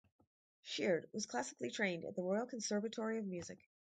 Sheard was classically trained at the Royal Conservatory of Music.